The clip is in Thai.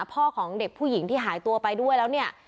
พ่อของเด็กผู้หญิงที่หายตัวไปด้วยแล้วเนี่ย